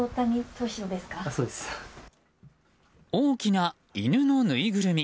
大きな犬のぬいぐるみ。